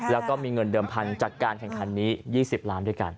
แล้วก็มีเงินเดิมพันธุ์จากการแข่งขันนี้๒๐ล้านด้วยกัน